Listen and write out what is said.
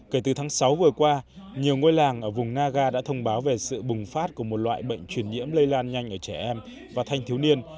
kể từ tháng sáu vừa qua nhiều ngôi làng ở vùng naga đã thông báo về sự bùng phát của một loại bệnh truyền nhiễm lây lan nhanh ở trẻ em và thanh thiếu niên